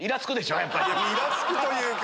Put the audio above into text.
イラつくというか。